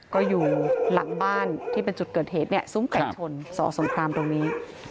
ก็อยู่หลังบ้านที่เป็นจุดเกิดเหตุเนี่ยซุ้มไก่ชนสอสงครามตรงนี้